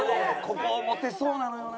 ここモテそうなのよな。